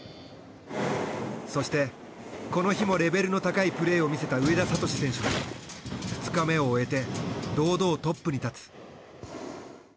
そしてこの日もレベルの高いプレーを見せた上田諭選手が２日目を終えて堂々トップに立つ。